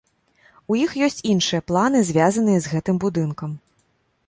У іх ёсць іншыя планы, звязаныя з гэтым будынкам.